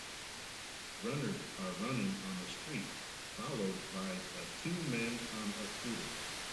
Runners are running on a street, followed by a two men on a scooter.